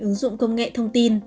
ứng dụng công nghệ thông tin